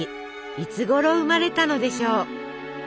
いつごろ生まれたのでしょう？